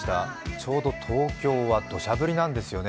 ちょうど東京はどしゃ降りなんですよね。